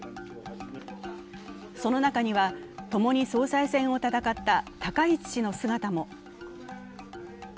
その中にはともに総裁選を戦った高市氏の姿も。